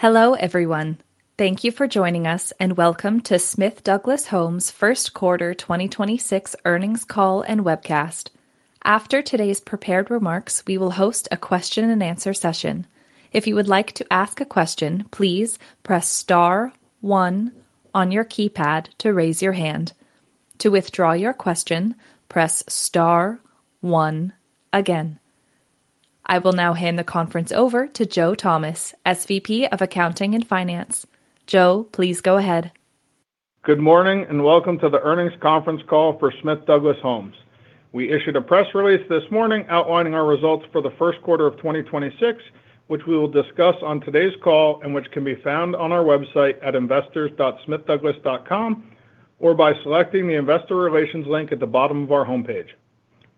Hello, everyone. Thank you for joining us and welcome to Smith Douglas Homes First Quarter 2026 Earnings Call and Webcast. After today's prepared remarks, we will host a question and answer session. If you would like to ask a question, please press star one on your keypad to raise your hand. To withdraw your question, press star one again. I will now hand the conference over to Joe Thomas, SVP of Accounting and Finance. Joe, please go ahead. Good morning, and welcome to the Earnings Conference Call for Smith Douglas Homes. We issued a press release this morning outlining our results for the first quarter of 2026, which we will discuss on today's call and which can be found on our website at investors.smithdouglas.com or by selecting the Investor Relations link at the bottom of our homepage.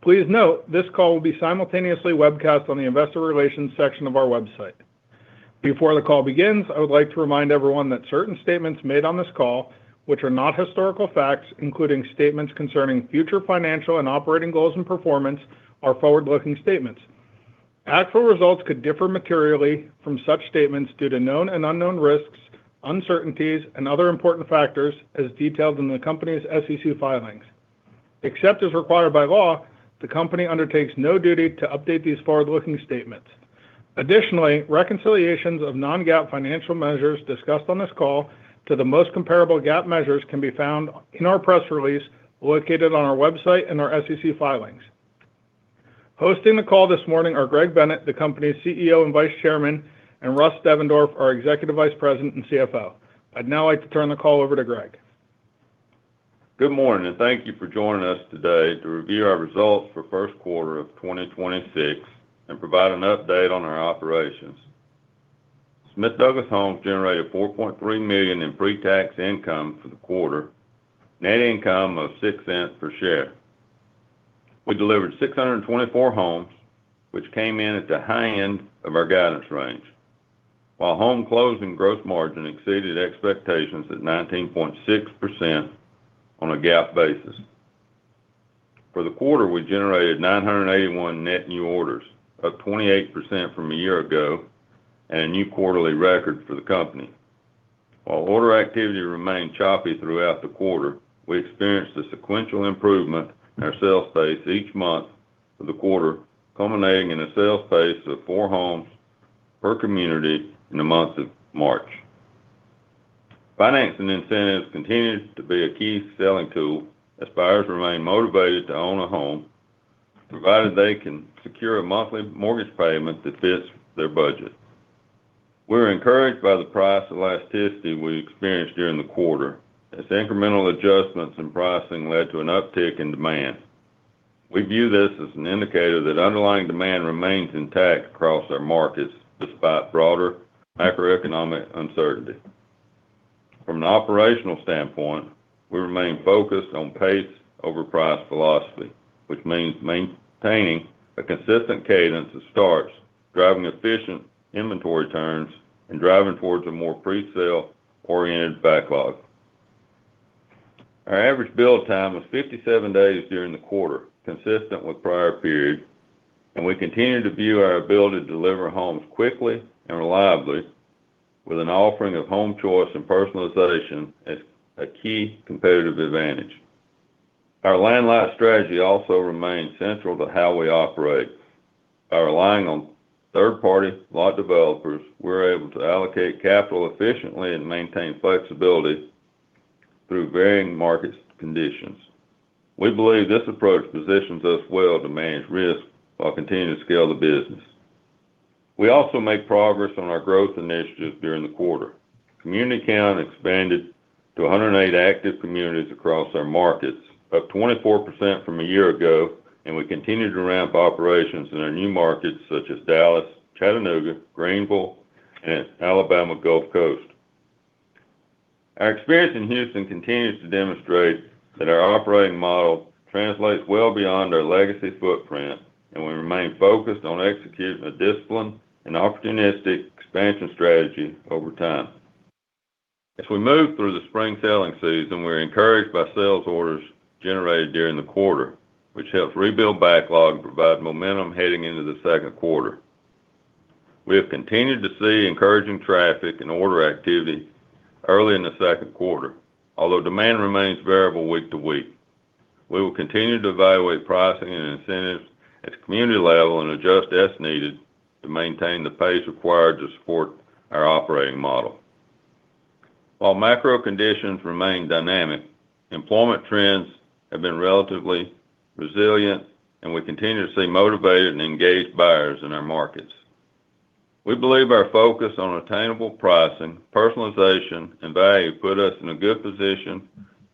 Please note this call will be simultaneously webcast on the Investor Relations section of our website. Before the call begins, I would like to remind everyone that certain statements made on this call, which are not historical facts, including statements concerning future financial and operating goals and performance, are forward-looking statements. Actual results could differ materially from such statements due to known and unknown risks, uncertainties, and other important factors as detailed in the company's SEC filings. Except as required by law, the company undertakes no duty to update these forward-looking statements. Additionally, reconciliations of non-GAAP financial measures discussed on this call to the most comparable GAAP measures can be found in our press release located on our website and our SEC filings. Hosting the call this morning are Greg Bennett, the company's CEO and Vice Chairman, and Russ Devendorf, our Executive Vice President and CFO. I'd now like to turn the call over to Greg. Good morning, thank you for joining us today to review our results for first quarter of 2026 and provide an update on our operations. Smith Douglas Homes generated $4.3 million in pre-tax income for the quarter, net income of $0.06 per share. We delivered 624 homes, which came in at the high end of our guidance range, while home closing gross margin exceeded expectations at 19.6% on a GAAP basis. For the quarter, we generated 981 net new orders, up 28% from a year ago and a new quarterly record for the company. While order activity remained choppy throughout the quarter, we experienced a sequential improvement in our sales pace each month of the quarter, culminating in a sales pace of 4 homes per community in the month of March. Financing incentives continued to be a key selling tool as buyers remain motivated to own a home, provided they can secure a monthly mortgage payment that fits their budget. We're encouraged by the price elasticity we experienced during the quarter as incremental adjustments in pricing led to an uptick in demand. We view this as an indicator that underlying demand remains intact across our markets despite broader macroeconomic uncertainty. From an operational standpoint, we remain focused on pace over price velocity, which means maintaining a consistent cadence of starts, driving efficient inventory turns, and driving towards a more presale-oriented backlog. Our average build time was 57 days during the quarter, consistent with prior periods, and we continue to view our ability to deliver homes quickly and reliably with an offering of home choice and personalization as a key competitive advantage. Our land-light strategy also remains central to how we operate. By relying on third-party lot developers, we're able to allocate capital efficiently and maintain flexibility through varying market conditions. We believe this approach positions us well to manage risk while continuing to scale the business. We also made progress on our growth initiatives during the quarter. Community count expanded to 108 active communities across our markets, up 24% from a year ago, and we continue to ramp operations in our new markets such as Dallas, Chattanooga, Greenville, and Alabama Gulf Coast. Our experience in Houston continues to demonstrate that our operating model translates well beyond our legacy footprint, and we remain focused on executing a disciplined and opportunistic expansion strategy over time. As we move through the spring selling season, we're encouraged by sales orders generated during the quarter, which helps rebuild backlog and provide momentum heading into the second quarter. We have continued to see encouraging traffic and order activity early in the second quarter, although demand remains variable week to week. We will continue to evaluate pricing and incentives at the community level and adjust as needed to maintain the pace required to support our operating model. While macro conditions remain dynamic, employment trends have been relatively resilient, and we continue to see motivated and engaged buyers in our markets. We believe our focus on attainable pricing, personalization, and value put us in a good position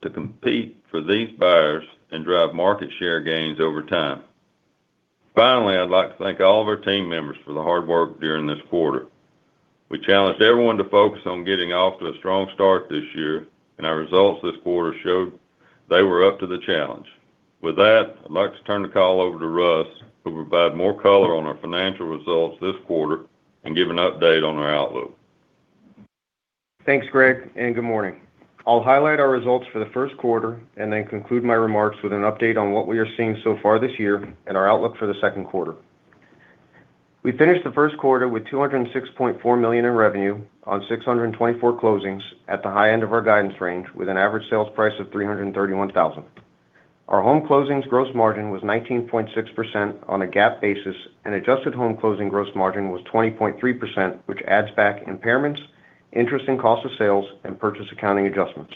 to compete for these buyers and drive market share gains over time. Finally, I'd like to thank all of our team members for the hard work during this quarter. We challenged everyone to focus on getting off to a strong start this year, and our results this quarter showed they were up to the challenge. With that, I'd like to turn the call over to Russ, who will provide more color on our financial results this quarter and give an update on our outlook. Thanks, Greg, and good morning. I'll highlight our results for the first quarter and then conclude my remarks with an update on what we are seeing so far this year and our outlook for the second quarter. We finished the first quarter with $206.4 million in revenue on 624 closings at the high end of our guidance range, with an average sales price of $331,000. Our home closings gross margin was 19.6% on a GAAP basis, and adjusted home closing gross margin was 20.3%, which adds back impairments, interest in cost of sales, and purchase accounting adjustments.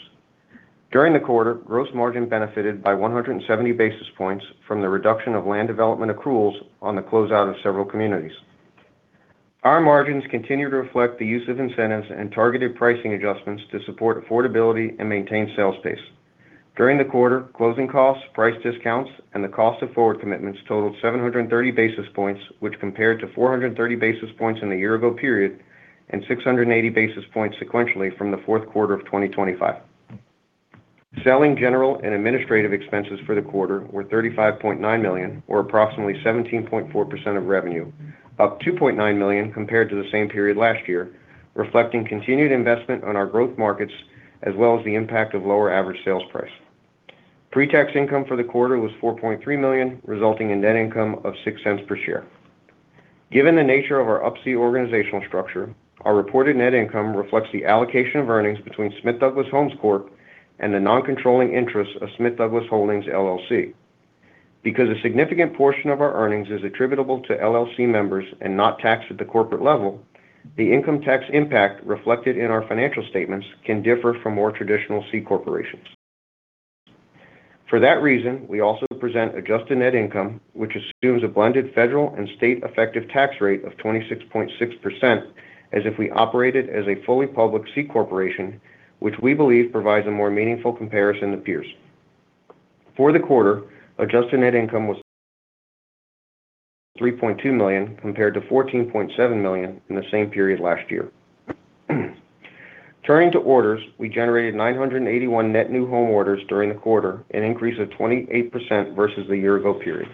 During the quarter, gross margin benefited by 170 basis points from the reduction of land development accruals on the closeout of several communities. Our margins continue to reflect the use of incentives and targeted pricing adjustments to support affordability and maintain sales pace. During the quarter, closing costs, price discounts, and the cost of forward commitments totaled 730 basis points, which compared to 430 basis points in the year-ago period and 680 basis points sequentially from the fourth quarter of 2025. Selling General and Administrative Expenses for the quarter were $35.9 million, or approximately 17.4% of revenue, up $2.9 million compared to the same period last year, reflecting continued investment on our growth markets as well as the impact of lower average sales price. Pre-tax income for the quarter was $4.3 million, resulting in net income of $0.06 per share. Given the nature of our Up-C organizational structure, our reported net income reflects the allocation of earnings between Smith Douglas Homes Corp. and the non-controlling interest of Smith Douglas Holdings LLC. Because a significant portion of our earnings is attributable to LLC members and not taxed at the corporate level, the income tax impact reflected in our financial statements can differ from more traditional C corporations. For that reason, we also present adjusted net income, which assumes a blended federal and state effective tax rate of 26.6% as if we operated as a fully public C corporation, which we believe provides a more meaningful comparison to peers. For the quarter, adjusted net income was $3.2 million compared to $14.7 million in the same period last year. Turning to orders, we generated 981 net new home orders during the quarter, an increase of 28% versus the year-ago period.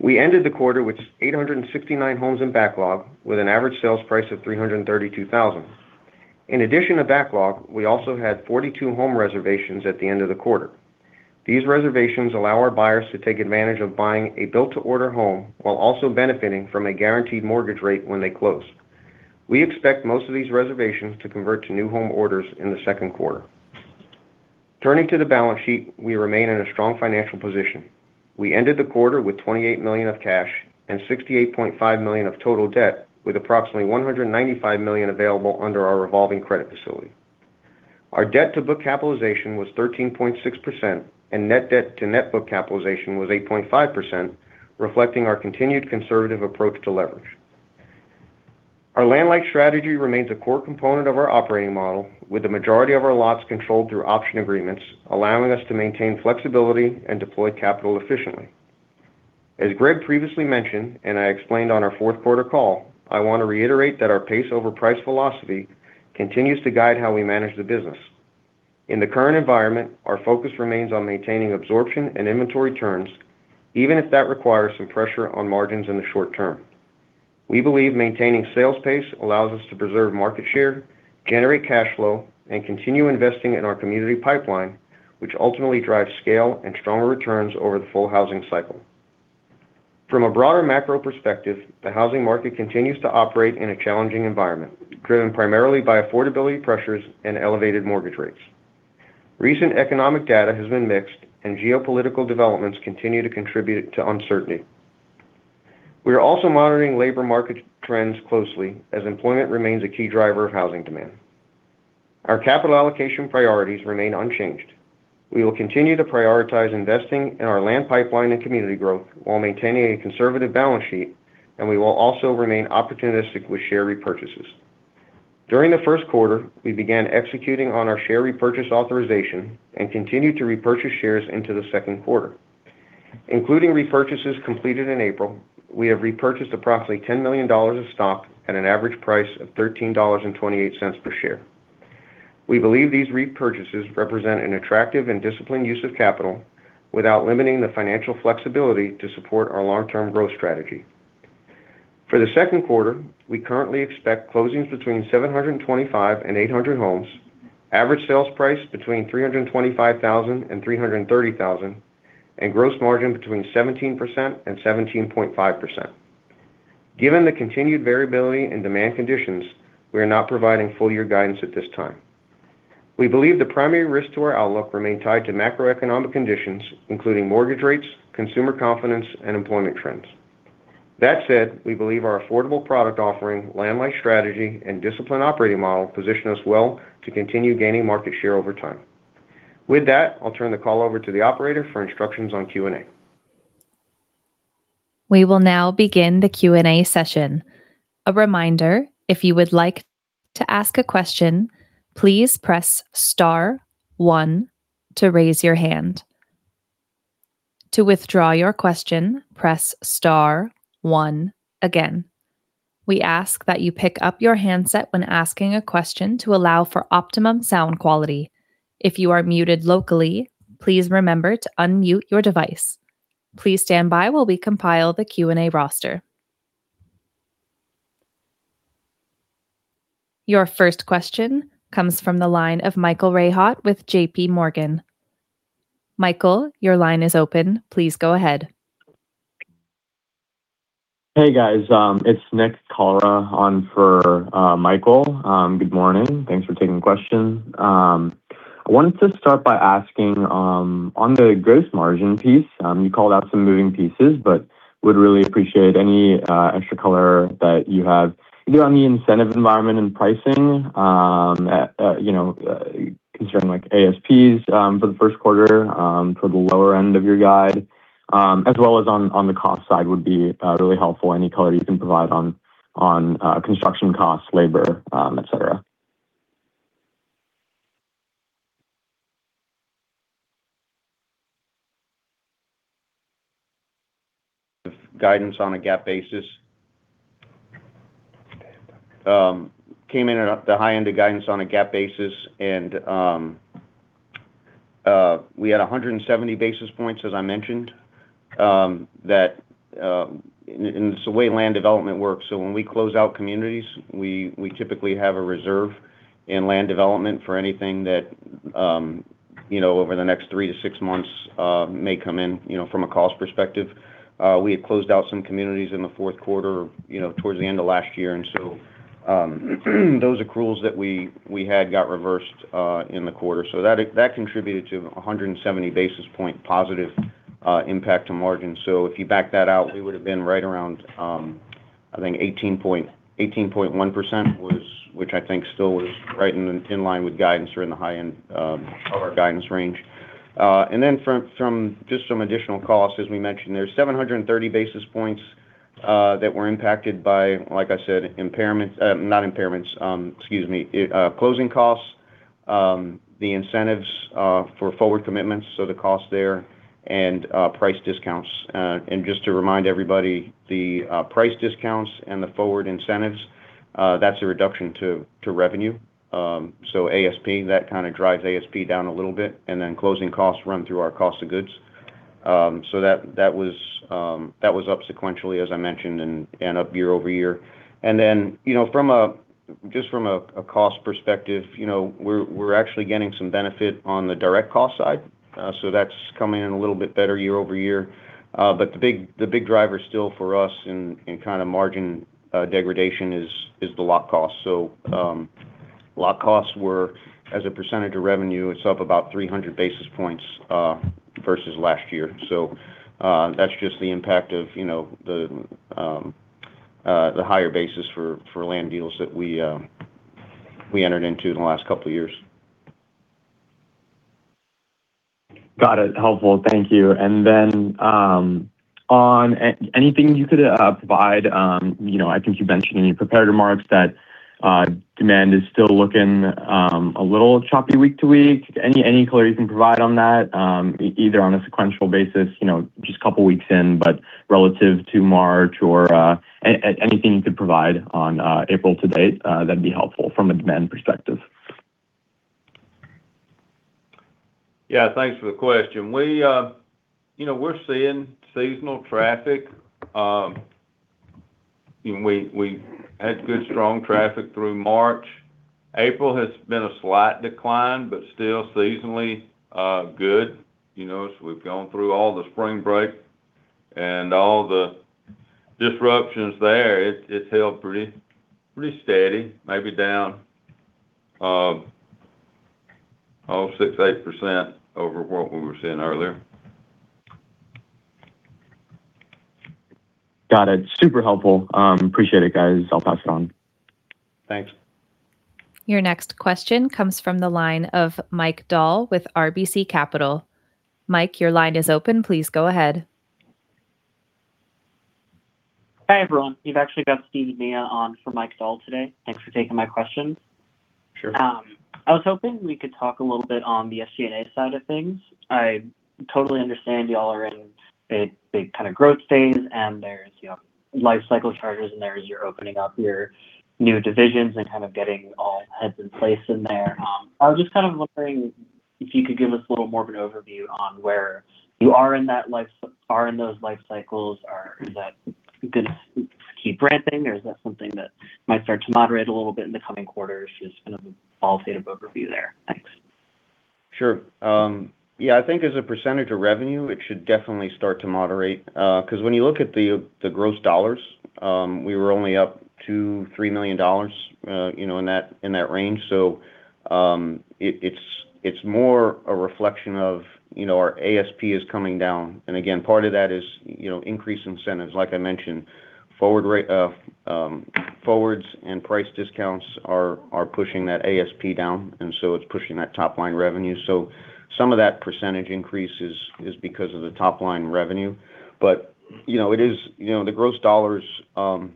We ended the quarter with 869 homes in backlog with an average sales price of $332,000. In addition to backlog, we also had 42 home reservations at the end of the quarter. These reservations allow our buyers to take advantage of buying a built-to-order home while also benefiting from a guaranteed mortgage rate when they close. We expect most of these reservations to convert to new home orders in the second quarter. Turning to the balance sheet, we remain in a strong financial position. We ended the quarter with $28 million of cash and $68.5 million of total debt, with approximately $195 million available under our revolving credit facility. Our debt-to-book capitalization was 13.6%, and net debt to net book capitalization was 8.5%, reflecting our continued conservative approach to leverage. Our land-light strategy remains a core component of our operating model, with the majority of our lots controlled through option agreements, allowing us to maintain flexibility and deploy capital efficiently. As Greg previously mentioned, and I explained on our fourth quarter call, I want to reiterate that our pace over price velocity continues to guide how we manage the business. In the current environment, our focus remains on maintaining absorption and inventory turns, even if that requires some pressure on margins in the short term. We believe maintaining sales pace allows us to preserve market share, generate cash flow, and continue investing in our community pipeline, which ultimately drives scale and stronger returns over the full housing cycle. From a broader macro perspective, the housing market continues to operate in a challenging environment, driven primarily by affordability pressures and elevated mortgage rates. Recent economic data has been mixed, and geopolitical developments continue to contribute to uncertainty. We are also monitoring labor market trends closely as employment remains a key driver of housing demand. Our capital allocation priorities remain unchanged. We will continue to prioritize investing in our land pipeline and community growth while maintaining a conservative balance sheet, and we will also remain opportunistic with share repurchases. During the first quarter, we began executing on our share repurchase authorization and continued to repurchase shares into the second quarter. Including repurchases completed in April, we have repurchased approximately $10 million of stock at an average price of $13.28 per share. We believe these repurchases represent an attractive and disciplined use of capital without limiting the financial flexibility to support our long-term growth strategy. For the second quarter, we currently expect closings between 725 and 800 homes, average sales price between $325,000 and $330,000, and gross margin between 17% and 17.5%. Given the continued variability in demand conditions, we are not providing full year guidance at this time. We believe the primary risks to our outlook remain tied to macroeconomic conditions, including mortgage rates, consumer confidence, and employment trends. That said, we believe our affordable product offering, land-light strategy, and disciplined operating model position us well to continue gaining market share over time. With that, I'll turn the call over to the operator for instructions on Q&A. We will now begin the Q&A session. A reminder, if you would like to ask a question, please press star one to raise your hand. To withdraw your question, press star one again. We ask that you pick up your handset when asking a question to allow for optimum sound quality. If you are muted locally, please remember to unmute your device. Please stand by while we compile the Q&A roster. Your first question comes from the line of Michael Rehaut with JPMorgan. Michael, your line is open. Please go ahead. Hey guys. It's Nick Cara on for Michael. Good morning. Thanks for taking the question. I wanted to start by asking on the gross margin piece, you called out some moving pieces, but would really appreciate any extra color that you have either on the incentive environment and pricing, you know, concerning like ASPs for the first quarter for the lower end of your guide. As well as on the cost side would be really helpful, any color you can provide on construction costs, labor, et cetera. Guidance on a GAAP basis. Came in at the high end of guidance on a GAAP basis, and we had 170 basis points, as I mentioned, that, and it's the way land development works. When we close out communities, we typically have a reserve in land development for anything that, you know, over the next 3 to 6 months, may come in, you know, from a cost perspective. We had closed out some communities in the fourth quarter, you know, towards the end of last year. Those accruals that we had got reversed in the quarter. That contributed to a 170 basis point positive impact to margin. If you back that out, we would have been right around, I think 18.1% was, which I think still was right in line with guidance or in the high end of our guidance range. Then from just some additional costs, as we mentioned, there's 730 basis points that were impacted by, like I said, impairments, not impairments, excuse me. Closing costs, the incentives for forward commitments, so the cost there and price discounts. Just to remind everybody, the price discounts and the forward incentives, that's a reduction to revenue. ASP, that kind of drives ASP down a little bit, and then closing costs run through our cost of goods. That, that was up sequentially, as I mentioned, and up year-over-year. You know, from a, just from a cost perspective, you know, we're actually getting some benefit on the direct cost side. That's coming in a little bit better year-over-year. The big, the big driver still for us in kind of margin degradation is the lot cost. Lot costs were as a percentage of revenue, it's up about 300 basis points versus last year. That's just the impact of, you know, the higher basis for land deals that we entered into in the last couple of years. Got it. Helpful. Thank you. Then anything you could provide, you know, I think you mentioned in your prepared remarks that demand is still looking a little choppy week to week. Any color you can provide on that, either on a sequential basis, you know, just a couple of weeks in, but relative to March or anything you could provide on April to date, that'd be helpful from a demand perspective? Yeah, thanks for the question. We, you know, we're seeing seasonal traffic. We had good strong traffic through March. April has been a slight decline, but still seasonally good. You know, as we've gone through all the spring break and all the disruptions there, it's held pretty steady, maybe down 6%-8% over what we were seeing earlier. Got it. Super helpful. Appreciate it, guys. I'll pass it on. Thanks. Your next question comes from the line of Mike Dahl with RBC Capital. Mike, your line is open. Please go ahead. Hi, everyone. You've actually got Stephen Mea on for Mike Dahl today. Thanks for taking my questions. Sure. I was hoping we could talk a little bit on the SG&A side of things. I totally understand y'all are in a big kind of growth phase, and there's, you know, life cycle charges, and there's, you're opening up your new divisions and kind of getting all heads in place in there. I was just kind of wondering if you could give us a little more of an overview on where you are in those life cycles. Is that gonna keep ramping, or is that something that might start to moderate a little bit in the coming quarters? Just kind of a qualitative overview there. Thanks. Sure. Yeah, I think as a percentage of revenue, it should definitely start to moderate. Because when you look at the gross dollars, we were only up $2 million-$3 million, you know, in that range. It's more a reflection of, you know, our ASP is coming down. Again, part of that is, you know, increased incentives. Like I mentioned, forwards and price discounts are pushing that ASP down, it's pushing that top-line revenue. Some of that % increase is because of the top-line revenue. You know, it is, you know, the gross dollars, you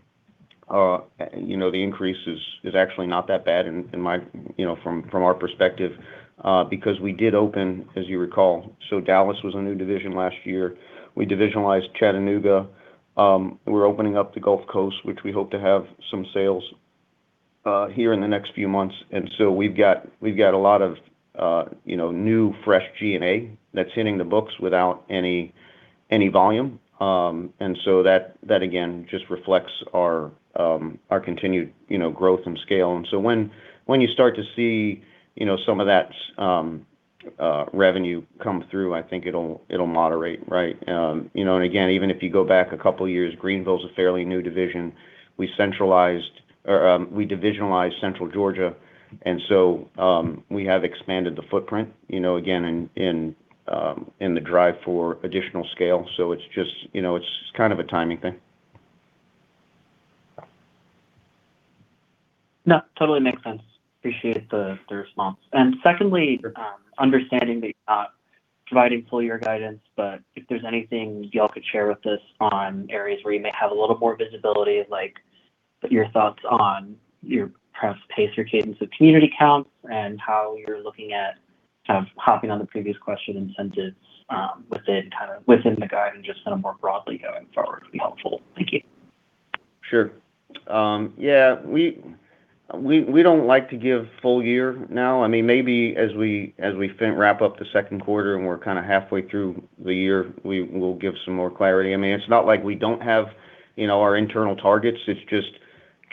know, the increase is actually not that bad in my, you know, from our perspective, because we did open, as you recall. Dallas was a new division last year. We divisionalized Chattanooga. We're opening up the Gulf Coast, which we hope to have some sales here in the next few months. We've got a lot of, you know, new fresh G&A that's hitting the books without any volume. That again just reflects our continued, you know, growth and scale. When you start to see, you know, some of that revenue come through, I think it'll moderate, right? You know, again, even if you go back a couple years, Greenville's a fairly new division. We divisionalized central Georgia, we have expanded the footprint, you know, again in the drive for additional scale. it's just, you know, it's kind of a timing thing. No, totally makes sense. Appreciate the response. Secondly, understanding that you're not providing full year guidance, but if there's anything y'all could share with us on areas where you may have a little more visibility, like your thoughts on your perhaps pace or cadence of community counts and how you're looking at kind of hopping on the previous question incentives, within the guide and just kind of more broadly going forward would be helpful. Thank you. Yeah, we, we don't like to give full year now. I mean, maybe as we, as we wrap up the second quarter and we're kind of halfway through the year, we will give some more clarity. I mean, it's not like we don't have, you know, our internal targets. It's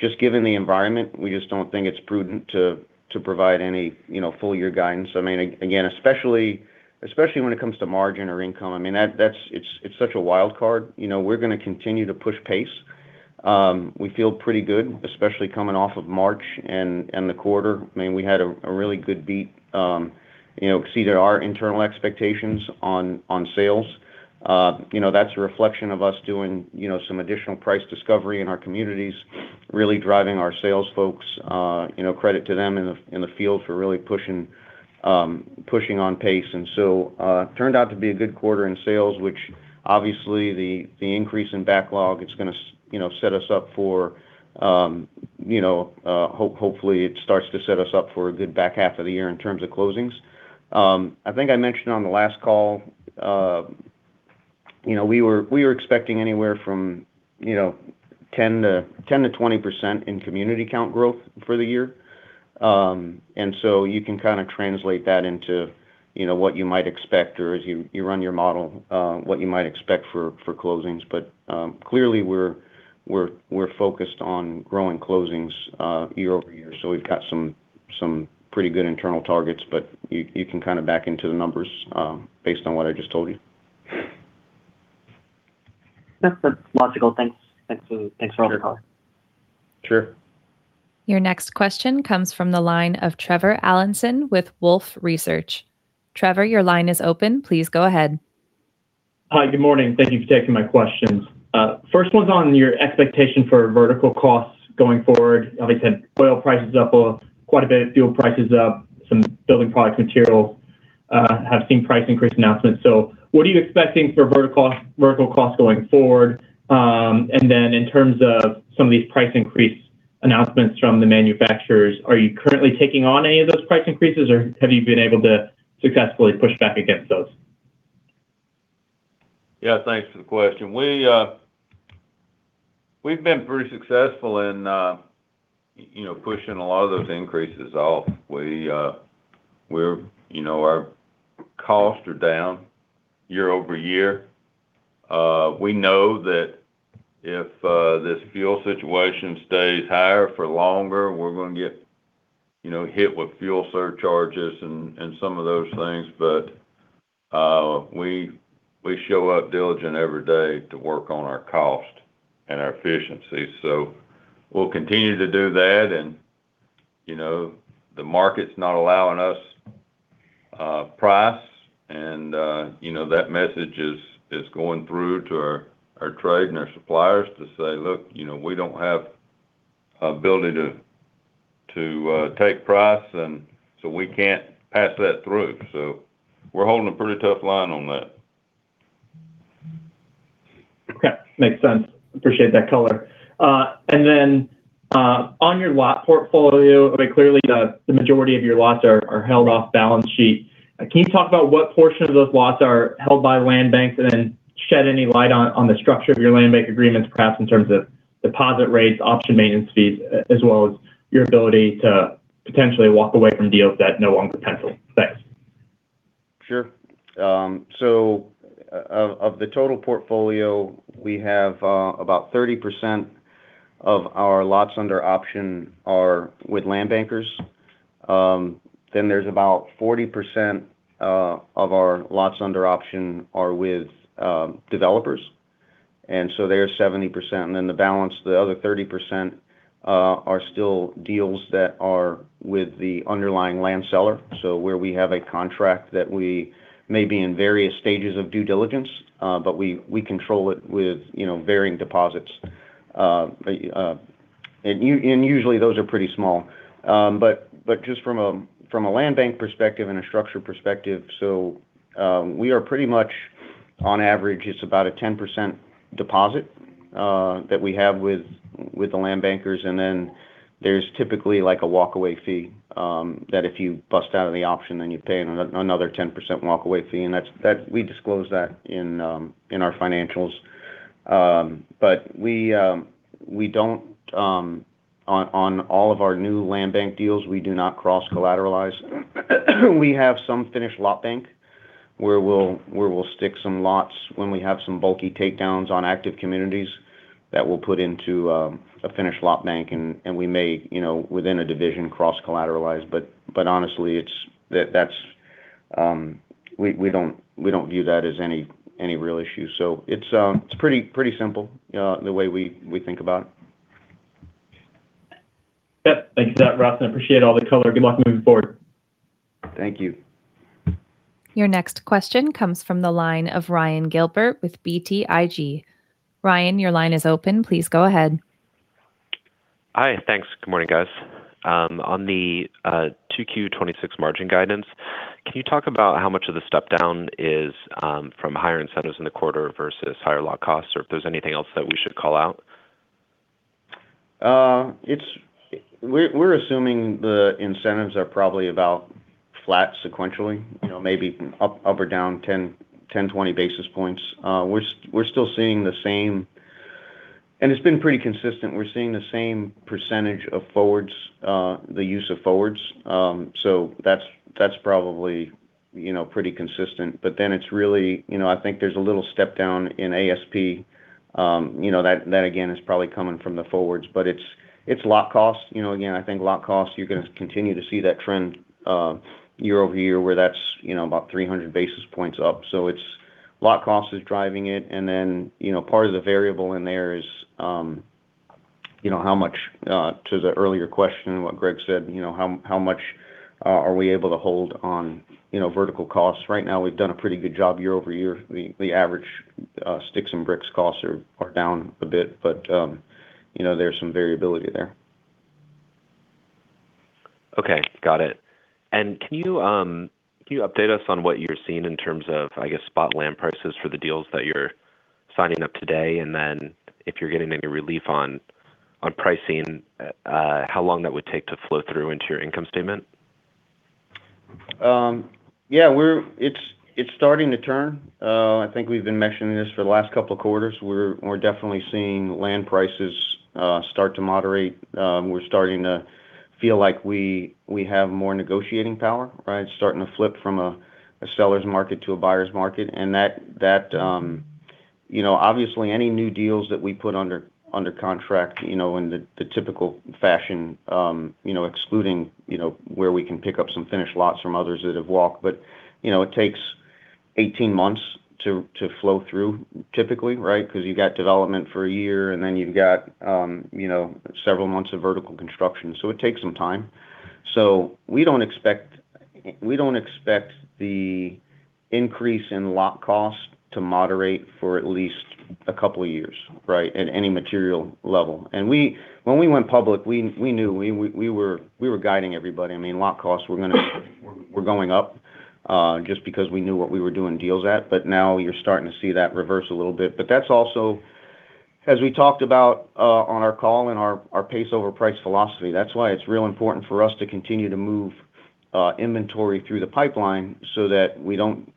just given the environment, we just don't think it's prudent to provide any, you know, full year guidance. I mean, again, especially when it comes to margin or income. I mean, it's such a wild card. You know, we're gonna continue to push pace. We feel pretty good, especially coming off of March and the quarter. I mean, we had a really good beat, you know, exceeded our internal expectations on sales. You know, that's a reflection of us doing, you know, some additional price discovery in our communities, really driving our sales folks, you know, credit to them in the field for really pushing on pace. Turned out to be a good quarter in sales, which obviously the increase in backlog, it's gonna you know, set us up for, you know, hopefully it starts to set us up for a good back half of the year in terms of closings. I think I mentioned on the last call, you know, we were expecting anywhere from, you know, 10%-20% in community count growth for the year. You can kind of translate that into, you know, what you might expect or as you run your model, what you might expect for closings. Clearly we're focused on growing closings year-over-year. We've got some pretty good internal targets, but you can kind of back into the numbers based on what I just told you. That's logical. Thanks. Thanks for all the color. Sure. Your next question comes from the line of Trevor Allinson with Wolfe Research. Trevor, your line is open. Please go ahead. Hi. Good morning. Thank you for taking my questions. First one's on your expectation for vertical costs going forward. Obviously, oil price is up quite a bit. Fuel price is up. Some building product materials have seen price increase announcements. What are you expecting for vertical costs going forward? In terms of some of these price increase announcements from the manufacturers, are you currently taking on any of those price increases, or have you been able to successfully push back against those? Thanks for the question. We, we've been pretty successful in, you know, pushing a lot of those increases off. We, we're, you know, our costs are down year-over-year. We know that if this fuel situation stays higher for longer, we're gonna get, you know, hit with fuel surcharges and some of those things. We show up diligent every day to work on our cost and our efficiency. We'll continue to do that. You know, the market's not allowing us price and, you know, that message is going through to our trade and our suppliers to say, "Look, you know, we don't have ability to take price, we can't pass that through." We're holding a pretty tough line on that. Okay. Makes sense. Appreciate that color. Then on your lot portfolio, I mean, clearly the majority of your lots are held off balance sheet. Can you talk about what portion of those lots are held by land banks and then shed any light on the structure of your land bank agreements, perhaps in terms of deposit rates, option maintenance fees, as well as your ability to potentially walk away from deals that no longer pencil? Thanks. Sure. Of the total portfolio, we have about 30% of our lots under option are with land bankers. There's about 40% of our lots under option are with developers. There's 70%. The balance, the other 30%, are still deals that are with the underlying land seller. Where we have a contract that we may be in various stages of due diligence, but we control it with, you know, varying deposits. And usually those are pretty small. Just from a land bank perspective and a structure perspective, we are pretty much on average, it's about a 10% deposit that we have with the land bankers. Then there's typically like a walkaway fee that if you bust out of the option, then you pay another 10% walkaway fee. That's we disclose that in our financials. We don't on all of our new land bank deals, we do not cross-collateralize. We have some finished lot bank where we'll stick some lots when we have some bulky takedowns on active communities that we'll put into a finished lot bank and we may, you know, within a division, cross-collateralize. Honestly it's. That's we don't view that as any real issue. It's pretty simple the way we think about it. Yep. Thank you for that, Russ Devendorf. I appreciate all the color. Good luck moving forward. Thank you. Your next question comes from the line of Ryan Gilbert with BTIG. Ryan, your line is open. Please go ahead. Hi. Thanks. Good morning, guys. On the 2Q26 margin guidance, can you talk about how much of the step down is from higher incentives in the quarter versus higher lot costs, or if there's anything else that we should call out? We're assuming the incentives are probably about flat sequentially. You know, maybe up or down 10, 20 basis points. We're still seeing the same. It's been pretty consistent. We're seeing the same percentage of forwards, the use of forwards. That's probably, you know, pretty consistent. It's really. You know, I think there's a little step down in ASP. You know, that again is probably coming from the forwards. It's lot cost. You know, again, I think lot cost, you're gonna continue to see that trend year-over-year where that's, you know, about 300 basis points up. It's lot cost is driving it, you know, part of the variable in there is, you know, how much to the earlier question, what Greg said, you know, how much are we able to hold on, you know, vertical costs. Right now we've done a pretty good job year-over-year. The average sticks and bricks costs are down a bit, but, you know, there's some variability there. Okay. Got it. Can you update us on what you're seeing in terms of, I guess, spot land prices for the deals that you're signing up today, and then if you're getting any relief on pricing, how long that would take to flow through into your income statement? Yeah. It's starting to turn. I think we've been mentioning this for the last couple of quarters. We're definitely seeing land prices start to moderate. We're starting to feel like we have more negotiating power, right? Starting to flip from a seller's market to a buyer's market, and that... You know, obviously any new deals that we put under contract, you know, in the typical fashion, you know, excluding, you know, where we can pick up some finished lots from others that have walked. You know, it takes 18 months to flow through typically, right? Because you got development for one year, and then you've got, you know, several months of vertical construction, so it takes some time. We don't expect the increase in lot cost to moderate for at least a couple of years, right? At any material level. When we went public, we knew. We were guiding everybody. I mean, lot costs were going up just because we knew what we were doing deals at. Now you're starting to see that reverse a little bit. That's also, as we talked about on our call and our pace over price philosophy, that's why it's real important for us to continue to move inventory through the pipeline so that we don't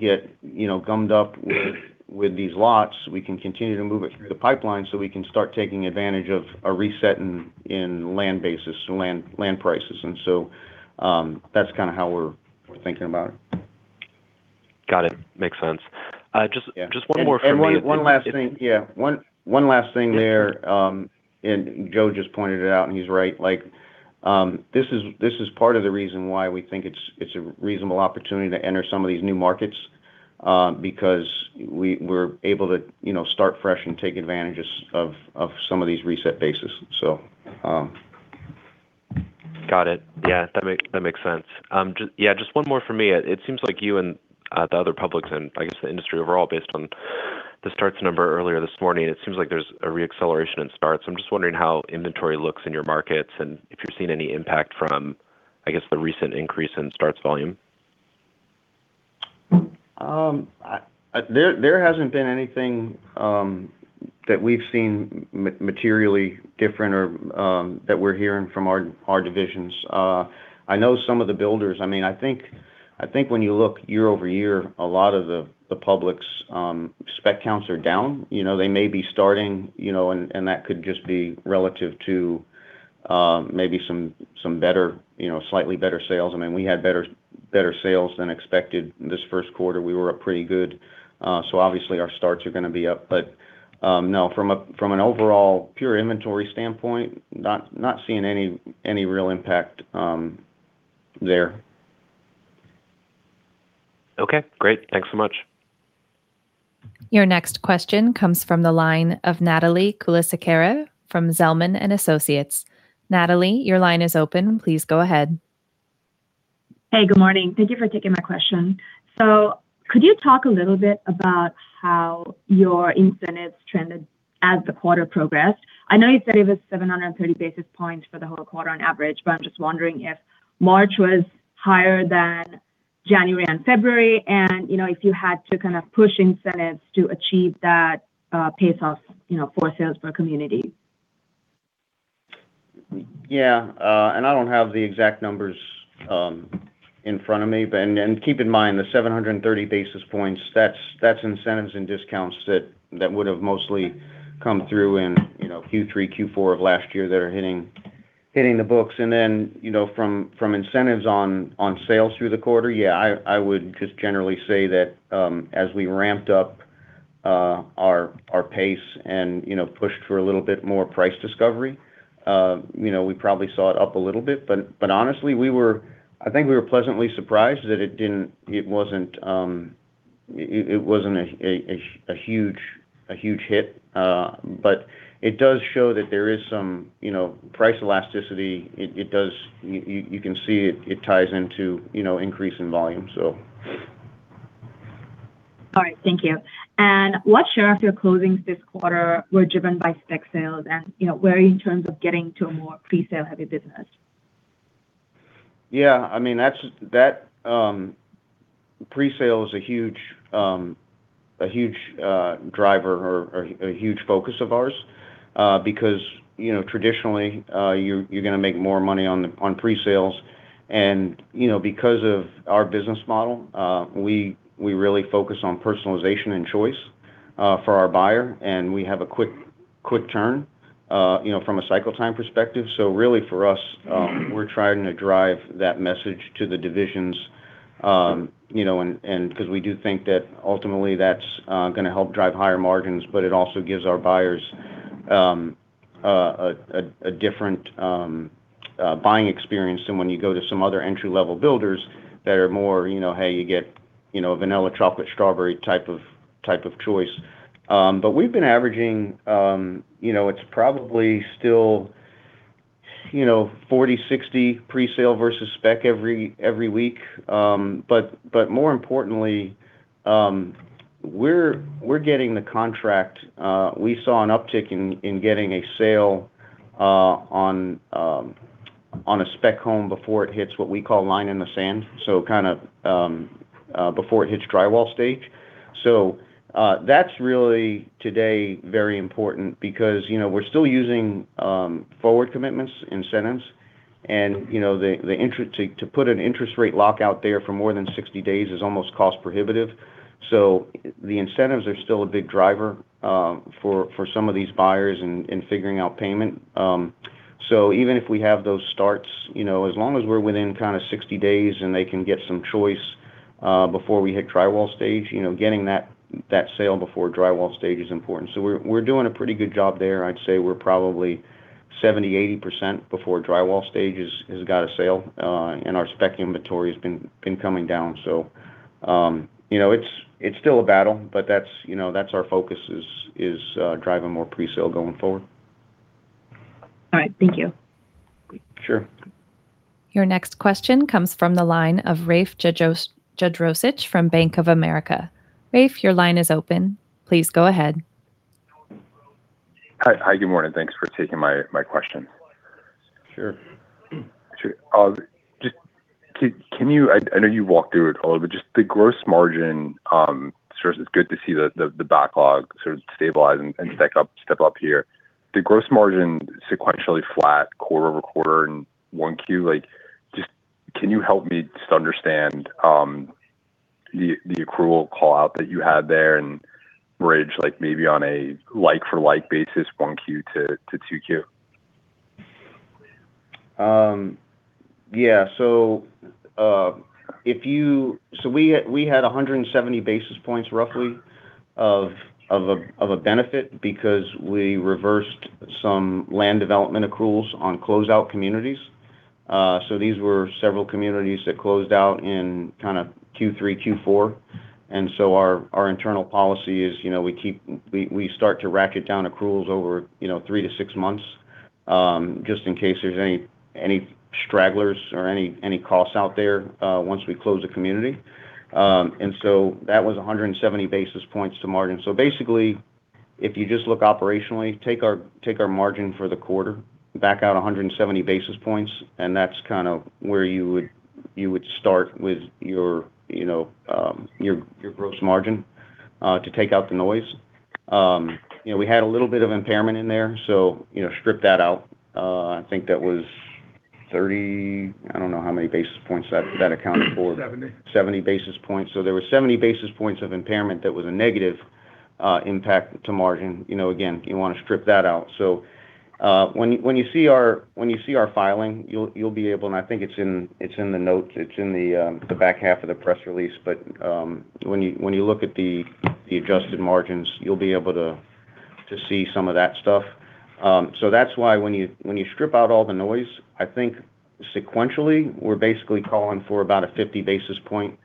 get, you know, gummed up with these lots. We can continue to move it through the pipeline so we can start taking advantage of a reset in land basis, so land prices. That's kind of how we're thinking about it. Got it. Makes sense. Yeah Just one more from me. One last thing. Yeah. One last thing there. Yeah. Joe just pointed it out, and he's right. Like, this is part of the reason why we think it's a reasonable opportunity to enter some of these new markets, because we're able to, you know, start fresh and take advantages of some of these reset bases. Got it. Yeah. That makes, that makes sense. Yeah, just one more for me. It seems like you and the other publics and I guess the industry overall based on the starts number earlier this morning, it seems like there's a re-acceleration in starts. I'm just wondering how inventory looks in your markets, and if you're seeing any impact from, I guess, the recent increase in starts volume. There hasn't been anything that we've seen materially different or that we're hearing from our divisions. I know some of the builders. I mean, I think when you look year-over-year, a lot of the public's spec counts are down. You know, they may be starting, you know, and that could just be relative to maybe some better, you know, slightly better sales. I mean, we had better sales than expected this first quarter. We were up pretty good. Obviously our starts are gonna be up. No, from an overall pure inventory standpoint, not seeing any real impact there. Okay, great. Thanks so much. Your next question comes from the line of Natalie Kulasekere from Zelman & Associates. Natalie, your line is open. Please go ahead. Hey, good morning. Thank you for taking my question. Could you talk a little bit about how your incentives trended as the quarter progressed? I know you said it was 730 basis points for the whole quarter on average, but I'm just wondering if March was higher than January and February and, you know, if you had to kind of push incentives to achieve that pace over price, you know, for sales per community. Yeah. I don't have the exact numbers in front of me. Keep in mind, the 730 basis points, that's incentives and discounts that would've mostly come through in, you know, Q3, Q4 of last year that are hitting the books. From incentives on sales through the quarter, yeah, I would just generally say that as we ramped up our pace and, you know, pushed for a little bit more price discovery, you know, we probably saw it up a little bit. Honestly we were I think we were pleasantly surprised that it wasn't a huge hit. It does show that there is some, you know, price elasticity. You can see it ties into, you know, increase in volume. All right, thank you. What share of your closings this quarter were driven by spec sales and, you know, where are you in terms of getting to a more presale-heavy business? Yeah, I mean, that's That presale is a huge a huge driver or a huge focus of ours. Because, you know, traditionally, you're gonna make more money on the, on presales. You know, because of our business model, we really focus on personalization and choice for our buyer, and we have a quick turn, you know, from a cycle time perspective. Really for us, we're trying to drive that message to the divisions, you know. We do think that ultimately that's gonna help drive higher margins, but it also gives our buyers a different buying experience than when you go to some other entry-level builders that are more, you know, hey, you get, you know, vanilla, chocolate, strawberry type of choice. We've been averaging, you know, it's probably still, you know, 40/60 presale versus spec every week. More importantly, we're getting the contract. We saw an uptick in getting a sale on a spec home before it hits what we call line in the sand. Kind of before it hits drywall stage. That's really today very important because, you know, we're still using, forward commitments, incentives and, you know, to put an interest rate lock out there for more than 60 days is almost cost-prohibitive. The incentives are still a big driver for some of these buyers in figuring out payment. Even if we have those starts, you know, as long as we're within kind of 60 days and they can get some choice before we hit drywall stage, you know, getting that sale before drywall stage is important. We're doing a pretty good job there. I'd say we're probably 70%-80% before drywall stage is got a sale. Our spec inventory has been coming down. You know, it's still a battle, but that's, you know, that's our focus is driving more presale going forward. All right, thank you. Sure. Your next question comes from the line of Rafe Jadrosich from Bank of America. Rafe, your line is open. Please go ahead. Hi, good morning. Thanks for taking my question. Sure. Sure. I know you walked through it a little, but the gross margin, sure it's good to see the backlog sort of stabilize and stack up, step up here. The gross margin sequentially flat quarter-over-quarter in 1Q. Can you help me understand the accrual call-out that you had there and bridge maybe on a like for like basis 1Q to 2Q? We had 170 basis points roughly of a benefit because we reversed some land development accruals on closeout communities. These were several communities that closed out in kind of Q3, Q4. Our internal policy is, you know, we start to ratchet down accruals over, you know, 3 to 6 months, just in case there's any stragglers or any costs out there once we close a community. That was 170 basis points to margin. Basically, if you just look operationally, take our margin for the quarter, back out 170 basis points, and that's kind of where you would start with your, you know, your gross margin to take out the noise. You know, we had a little bit of impairment in there, so, you know, strip that out. I think that was 30. I don't know how many basis points that accounted for. 70. 70 basis points. There was 70 basis points of impairment that was a negative impact to margin. You know, again, you wanna strip that out. When you see our filing, you'll be able. I think it's in the notes. It's in the back half of the press release. When you look at the adjusted margins, you'll be able to see some of that stuff. That's why when you strip out all the noise, I think sequentially we're basically calling for about a 50 basis point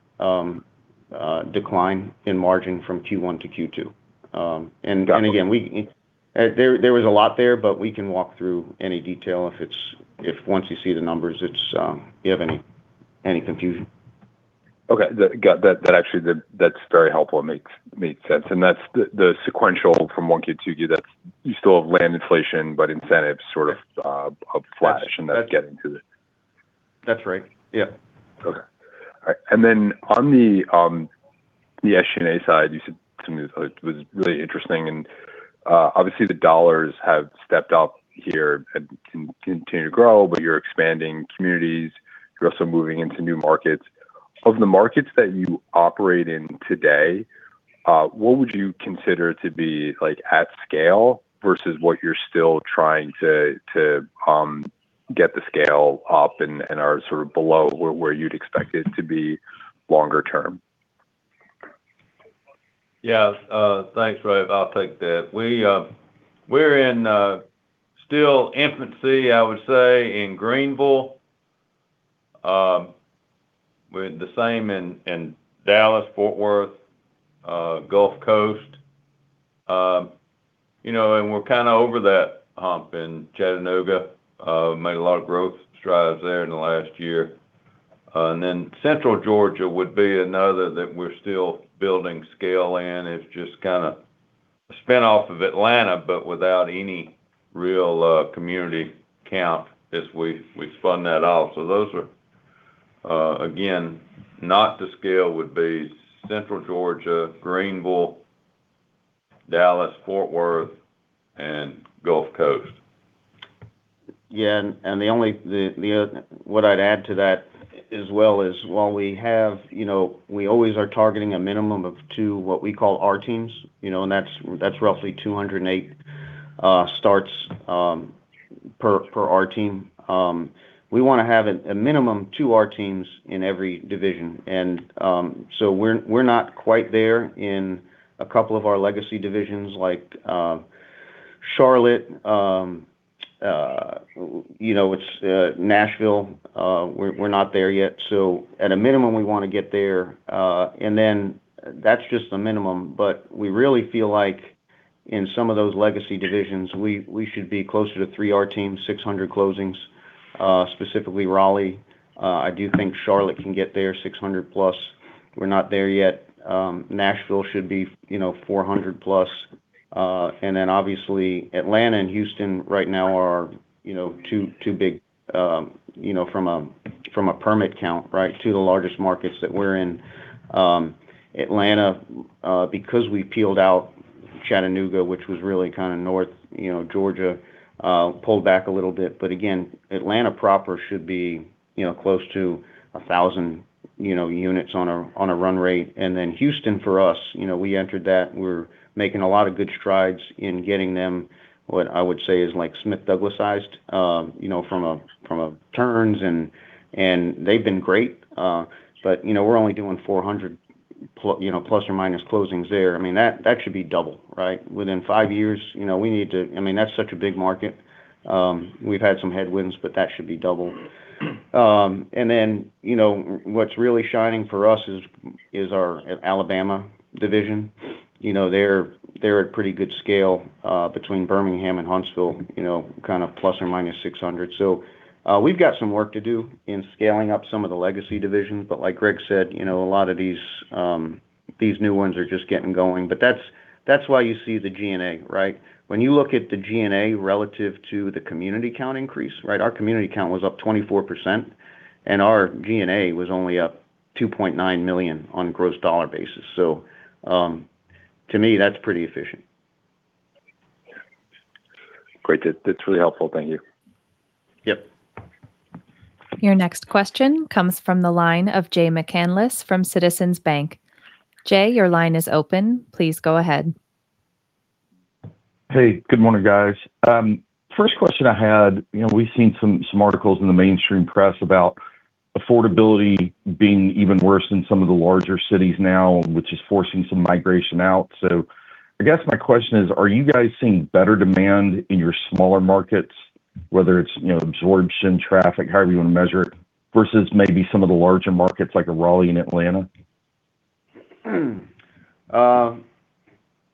decline in margin from Q1 to Q2. Again, there was a lot there, but we can walk through any detail if it's. If once you see the numbers, you have any confusion? Okay. That, that's very helpful and makes sense. That's the sequential from 1Q to 2Q, that's. You still have land inflation, but incentives sort of flash and that's getting to the. That's right. Yeah. Okay. Then on the G&A side, you said something that was really interesting, obviously the dollars have stepped up here and can continue to grow, but you're expanding communities. You're also moving into new markets. Of the markets that you operate in today, what would you consider to be, like, at scale versus what you're still trying to get the scale up and are sort of below where you'd expect it to be longer term? Yeah. Thanks, Rafe. I'll take that. We're in still infancy, I would say, in Greenville. We're the same in Dallas, Fort Worth, Gulf Coast. You know, we're kind of over that hump in Chattanooga. Made a lot of growth strides there in the last year. Central Georgia would be another that we're still building scale in. It's just kind of a spin-off of Atlanta, but without any real community count as we spun that off. Those are, again, not to scale would be Central Georgia, Greenville, Dallas, Fort Worth, and Gulf Coast. Yeah. What I'd add to that as well is while we have, you know, we always are targeting a minimum of two, what we call R teams, you know, and that's roughly 208 starts per R team. We wanna have a minimum two R teams in every division. We're not quite there in a couple of our legacy divisions like Charlotte. You know, it's Nashville, we're not there yet. At a minimum, we wanna get there. That's just the minimum, but we really feel like in some of those legacy divisions, we should be closer to three R teams, 600 closings, specifically Raleigh. I do think Charlotte can get there, 600+. We're not there yet. Nashville should be, you know, 400+. Obviously Atlanta and Houston right now are, you know, two big, you know, from a permit count, right? Two of the largest markets that we're in. Atlanta, because we peeled out Chattanooga, which was really kind of North, you know, Georgia, pulled back a little bit. Again, Atlanta proper should be, you know, close to 1,000, you know, units on a run rate. Houston for us, you know, we entered that. We're making a lot of good strides in getting them what I would say is like Smith Douglas-ized, you know, from a turns and they've been great. You know, we're only doing 400± closings there. I mean, that should be double, right? Within 5 years, you know, I mean, that's such a big market. We've had some headwinds, that should be double. You know, what's really shining for us is our Alabama division. You know, they're at pretty good scale between Birmingham and Huntsville. You know, kind of ±600. We've got some work to do in scaling up some of the legacy divisions. Like Greg said, you know, a lot of these new ones are just getting going. That's why you see the G&A, right? When you look at the G&A relative to the community count increase, right? Our community count was up 24%, our G&A was only up $2.9 million on gross dollar basis. To me, that's pretty efficient. Great. That's really helpful. Thank you. Yep. Your next question comes from the line of Jay McCanless from Citizens Bank. Jay, your line is open. Please go ahead. Hey, good morning, guys. First question I had, you know, we've seen some articles in the mainstream press about affordability being even worse in some of the larger cities now, which is forcing some migration out. I guess my question is, are you guys seeing better demand in your smaller markets, whether it's, you know, absorption, traffic, however you want to measure it, versus maybe some of the larger markets like a Raleigh and Atlanta?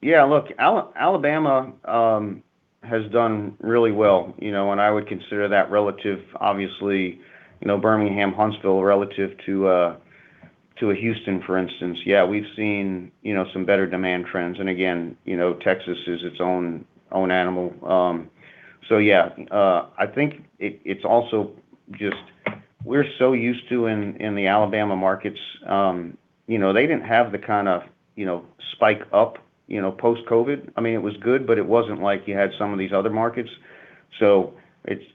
Yeah, look, Alabama has done really well, you know, and I would consider that relative, obviously, you know, Birmingham, Huntsville, relative to a Houston, for instance. Yeah, we've seen, you know, some better demand trends. Again, you know, Texas is its own animal. Yeah. I think it's also just we're so used to in the Alabama markets, you know, they didn't have the kind of, you know, spike up, you know, post-COVID. I mean, it was good, but it wasn't like you had some of these other markets.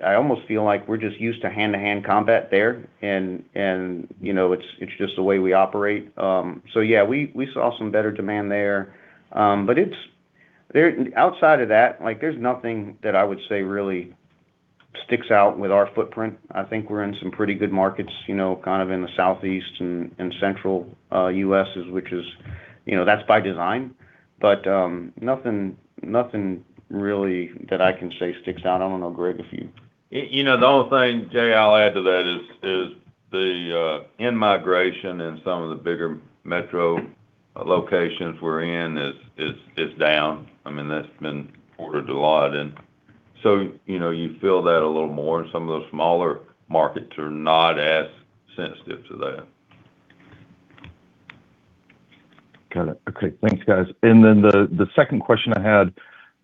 I almost feel like we're just used to hand-to-hand combat there and, you know, it's just the way we operate. Yeah, we saw some better demand there. It's. Outside of that, like there's nothing that I would say really sticks out with our footprint. I think we're in some pretty good markets, you know, kind of in the Southeast and Central U.S. is, which is, you know, that's by design. Nothing really that I can say sticks out. I don't know, Greg, if you- You know, the only thing, Jay, I'll add to that is the in-migration in some of the bigger metro locations we're in is down. I mean, that's been reported a lot. You know, you feel that a little more, and some of those smaller markets are not as sensitive to that Got it. Okay. Thanks, guys. The second question I had,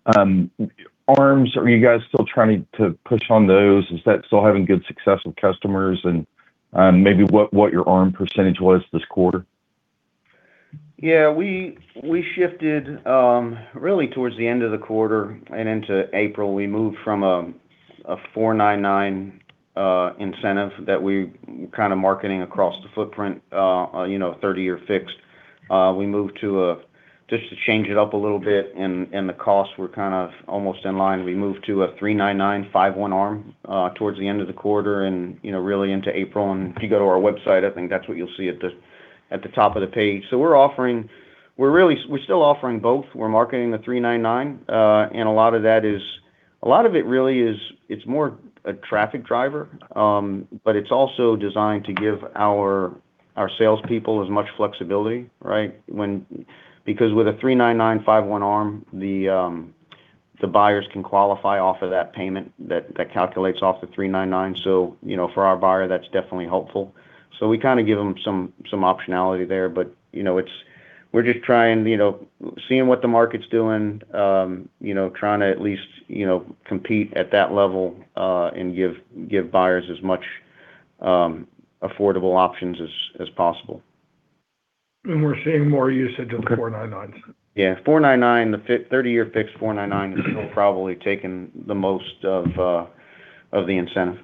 ARMs, are you guys still trying to push on those? Is that still having good success with customers? Maybe what your ARM percentage was this quarter? We shifted really towards the end of the quarter and into April. We moved from a 4.99% incentive that we were kind of marketing across the footprint, you know, 30-year fixed. Just to change it up a little bit and the costs were kind of almost in line. We moved to a 3.99% 5/1 ARM towards the end of the quarter and, you know, really into April. If you go to our website, I think that's what you'll see at the top of the page. We're still offering both. We're marketing the 3.99%. A lot of it really is it's more a traffic driver. It's also designed to give our salespeople as much flexibility, right? Because with a 3.99% 5/1 ARM, the buyers can qualify off of that payment that calculates off the 3.99%. For our buyer, that's definitely helpful. We kind of give them some optionality there. We're just trying, you know, seeing what the market's doing, you know, trying to at least, you know, compete at that level, and give buyers as much affordable options as possible. We're seeing more usage of 4.99s percent. Yeah. 4.99%, the 30-year fixed 4.99% is still probably taking the most of the incentive.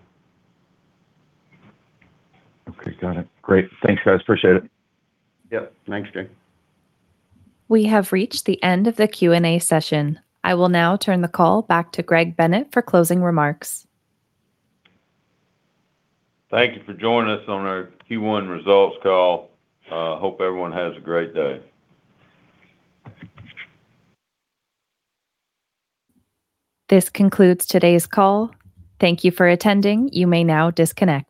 Okay. Got it. Great. Thanks, guys. Appreciate it. Yep. Thanks, Jay. We have reached the end of the Q&A session. I will now turn the call back to Greg Bennett for closing remarks. Thank you for joining us on our Q1 Results Call. I hope everyone has a great day. This concludes today's call. Thank you for attending. You may now disconnect.